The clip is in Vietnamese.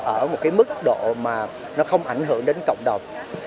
ở một cái mức độ mà nó không ảnh hưởng đến cộng đồng